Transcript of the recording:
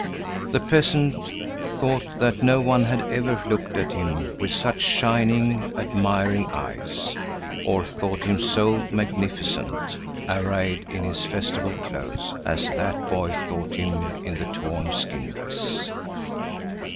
The peasant thought that no one had ever looked at him with such shining, admiring eyes, or thought him so magnificent, arrayed in his festival clothes, as that boy thought him in the torn skin dress.